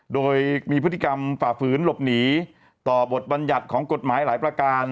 โดยมีพฤติกรรมฝ่าฝืนหลบหนีต่อบทบัญญัติของกฎหมายหลายประการ